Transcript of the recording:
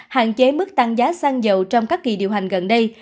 hạn chế mức tăng giá xăng dầu trong các kỳ điều hành gần đây